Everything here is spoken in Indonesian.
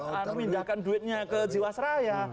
memindahkan duitnya ke jiwasraya